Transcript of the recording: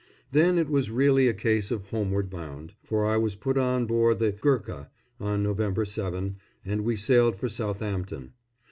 Then it was really a case of homeward bound, for I was put on board the Ghurka on November 7, and we sailed for Southampton.